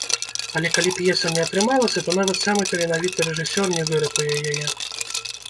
Але калі п'еса не атрымалася, то нават самы таленавіты рэжысёр не выратуе яе.